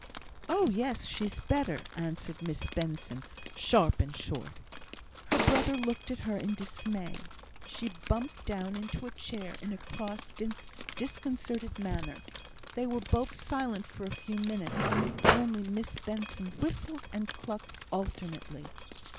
"Oh, yes! she's better," answered Miss Benson, sharp and short. Her brother looked at her in dismay. She bumped down into a chair in a cross, disconcerted manner. They were both silent for a few minutes; only Miss Benson whistled and clucked alternately.